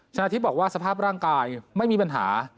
ชนะทิพย์บอกว่าสภาพร่างกายไม่มีปัญหา